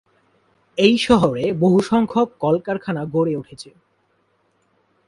এই শহরে বহুসংখ্যক কলকারখানা গড়ে উঠেছে।